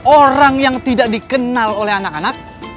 orang yang tidak dikenal oleh anak anak